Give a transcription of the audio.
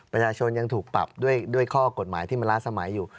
ประชาชนยังถูกปรับด้วยข้อกฎหมายที่มันล้าสมัยอยู่